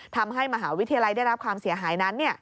ทำให้มหาวิทยาลัยได้รับความเสียหายนั้น